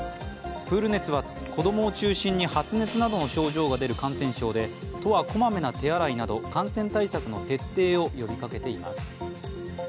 プール熱は子供を中心に発熱などの症状が出る感染症で都はこまめな手洗いなど感染対策の徹底を呼びかけています。